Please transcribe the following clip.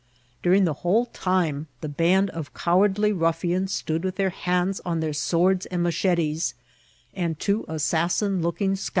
During the whole time, the band of cowardly ruffians stood with their hands on their swords and machetes, and two assassin looking scoun VoL.